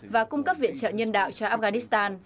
và cung cấp viện trợ nhân đạo cho afghanistan